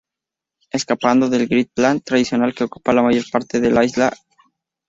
Escapando al "Grid plan" tradicional que ocupa la mayor parte de la isla, "St.